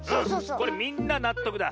これみんななっとくだ。